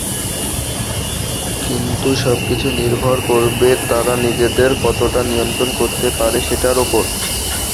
কিন্তু সবকিছু নির্ভর করবে তারা নিজেদের কতটা নিয়ন্ত্রণ করতে পারে সেটার ওপর।